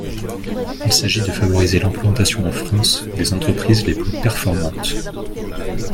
Il s’agit de favoriser l’implantation en France des entreprises les plus performantes.